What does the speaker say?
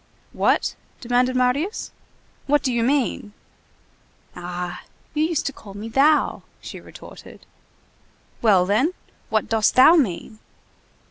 "What?" demanded Marius. "What do you mean?" "Ah! you used to call me thou," she retorted. "Well, then, what dost thou mean?"